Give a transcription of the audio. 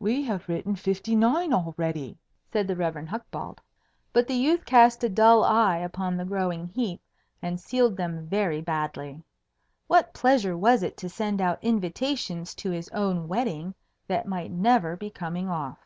"We have written fifty nine already!" said the Rev. Hucbald. But the youth cast a dull eye upon the growing heap, and sealed them very badly. What pleasure was it to send out invitations to his own wedding that might never be coming off?